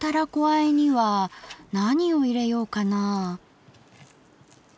あえには何を入れようかな。